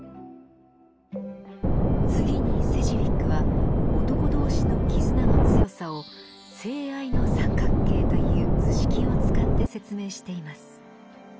次にセジウィックは男同士の絆の強さを「性愛の三角形」という図式を使って説明しています。